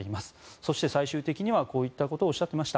そして、最終的にはこういったことをおっしゃっていました。